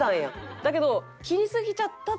だけど。